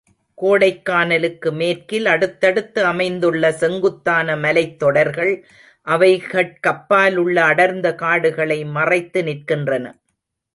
கோடைக்கானலுக்கு மேற்கில் அடுத்தடுத்து அமைந்துள்ள செங்குத்தான மலைத் தொடர்கள், அவைகட்கப்பாலுள்ள அடர்ந்த காடுகளை மறைத்து நிற்கின்றன.